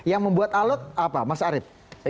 yang membuat alat apa mas arief